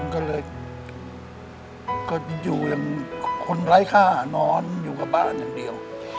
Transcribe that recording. ก็เลยก็อยู่อย่างคนไร้ค่านอนอยู่กับบ้านอย่างเดียว